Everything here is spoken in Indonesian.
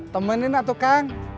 temenin lah tukang